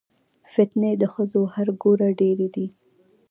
فتنې د ښځو هر ګوره ډېرې دي